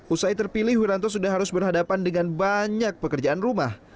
usai terpilih wiranto sudah harus berhadapan dengan banyak pekerjaan rumah